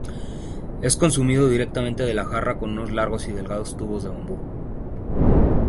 Es consumido directamente de la jarra con unos largos y delgados tubos de bambú.